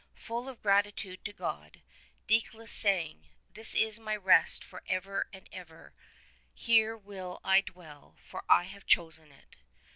Full of gratitude to God, Deicolus sang, 'This is my rest for ever and ever ; here will I dwell, for I have chosen it."